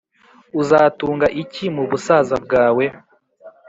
uzatunga iki mu busaza bwawe?